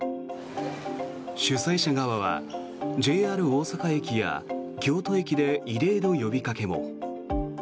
主催者側はＪＲ大阪駅や京都駅で異例の呼びかけも。